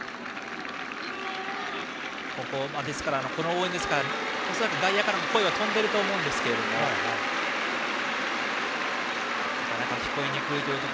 この応援ですから恐らく外野からも声は飛んでいると思いますがなかなか聞こえにくいという。